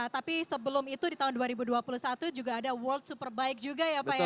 tapi sebelum itu di tahun dua ribu dua puluh satu juga ada world superbike juga ya pak ya